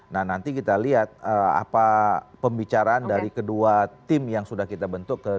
nah nanti kita lihat apa pembicaraan dari kedua tim yang sudah kita bentuk